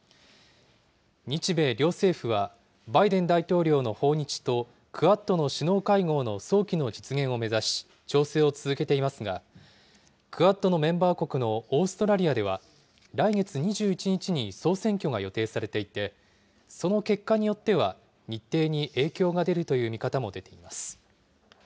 日米両政府は、バイデン大統領の訪日と、クアッドの首脳会合の早期の実現を目指し、調整を続けていますが、クアッドのメンバー国のオーストラリアでは、来月２１日に総選挙が予定されていて、その結果によっては、日程に影響が出るという見方も出ています。